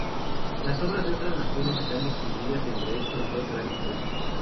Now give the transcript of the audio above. Las obras de otras naciones están distribuidas entre estos dos grandes grupos.